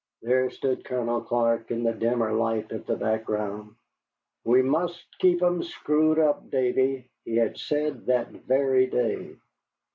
There stood Colonel Clark in the dimmer light of the background. "We must keep 'em screwed up, Davy," he had said that very day.